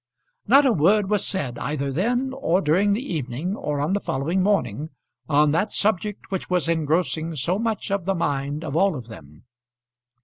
Not a word was said, either then or during the evening, or on the following morning, on that subject which was engrossing so much of the mind of all of them.